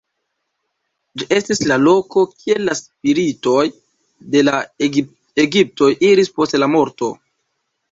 Ĝi estis la loko kie la spiritoj de la egiptoj iris post la morto.